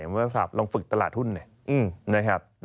มันว่าฝึกตลาดหุ้นเนี่ยนะครับ